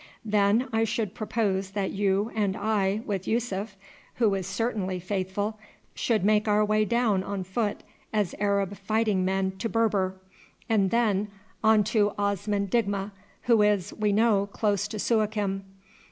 Then I should propose that you and I with Yussuf, who is certainly faithful, should make our way down on foot as Arab fighting men to Berber, and then on to Osman Digma, who is, we know, close to Suakim.